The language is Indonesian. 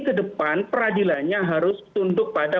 ke depan peradilannya harus tunduk pada